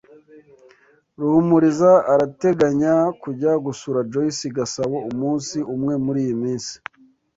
Ruhumuriza arateganya kujya gusura Joyce i Gasabo umunsi umwe muriyi minsi.